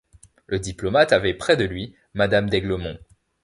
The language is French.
Le diplomate avait près de lui madame d’Aiglemont.